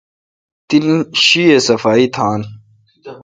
تین شی اؘ صفائی تھان۔